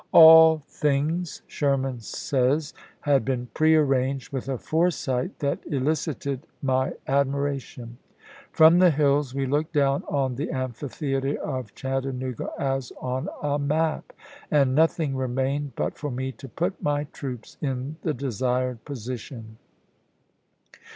" All things," Sherman says, " had been prearranged with a foresight that elicited my CHATTANOOGA 133 admiration. From the hills we looked down on chap. v. the amphitheater of Chattanooga as on a map, and Sherman, nothing remained but for me to put my troops in ^xxx7°'' the desired position."